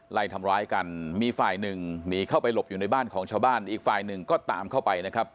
ไล่ทำร้ายกันมีฝ่ายหนึ่งหนีเข้าไปหลบอยู่ในบ้านของชาวบ้านอีกฝ่ายหนึ่งก็ตามเข้าไปนะครับ